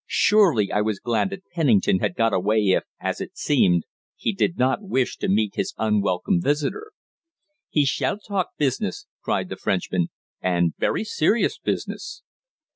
Surely I was glad that Pennington had got away if, as it seemed, he did not wish to meet his unwelcome visitor. "He shall talk business!" cried the Frenchman, "and very serious business!"